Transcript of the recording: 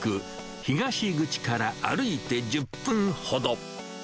東口から歩いて１０分ほど。